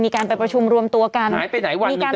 มีการไปประชุมรวมตัวกันหายไปไหนวันมีการ